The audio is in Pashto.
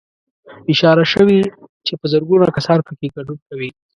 اشاره شوې چې په زرګونه کسان پکې ګډون کوي